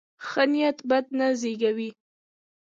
ښه نیت بد نه زېږوي.